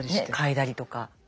嗅いだりとか。